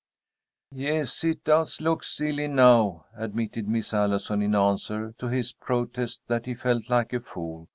"Yes, it does look silly now," admitted Miss Allison in answer to his protest that he felt like a fool.